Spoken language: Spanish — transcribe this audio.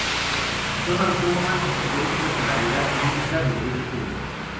Son autónomas y poseen personalidad jurídica de derecho público.